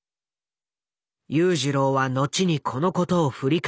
裕次郎は後にこのことを振り返り